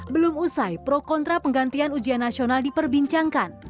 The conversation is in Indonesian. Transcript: belum usai pro kontra penggantian ujian nasional diperbincangkan